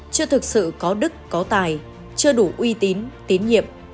chưa thực sự có đức có tài chưa đủ uy tín tín nhiệm